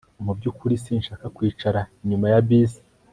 Mu byukuri sinshaka kwicara inyuma ya bisi